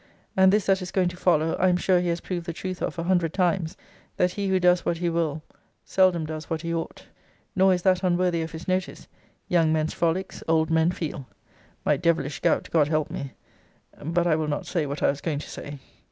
And this that is going to follow, I am sure he has proved the truth of a hundred times, That he who does what he will seldom does what he ought. Nor is that unworthy of his notice, Young men's frolics old men feel. My devilish gout, God help me but I will not say what I was going to say.